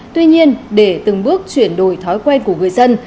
tuy nhiên để từng bước chuyển đổi thói quen của người dân